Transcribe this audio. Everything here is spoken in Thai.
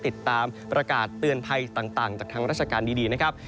ติดตามประกาศเตือนภัยต่างจากทางราชการดีนะครับ